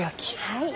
はい。